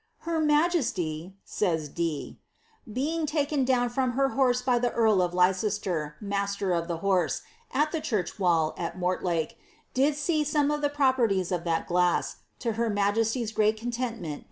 *" Her majesty," says Dee, '* being taken down from her horse by the earl of Leicester, master of the horse, at the church wall, at Mortlake, did see some of the properties of that glasa, to her majesty's great contentment and delight."